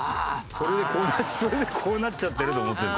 それでこうそれでこうなっちゃってると思ってるんだ。